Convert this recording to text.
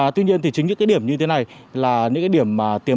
tuy nhiên chính những địa điểm như thế này là những địa điểm